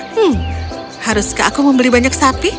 hmm haruskah aku membeli banyak sapi